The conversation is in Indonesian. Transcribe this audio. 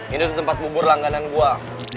ini tempat bubur langganan gue